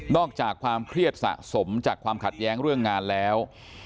อกจากความเครียดสะสมจากความขัดแย้งเรื่องงานแล้ว